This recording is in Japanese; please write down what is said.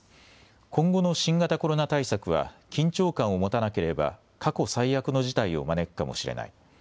今後の新型コロナ対策は緊張感を持たなければ過去最悪の事態を招くかもしれない。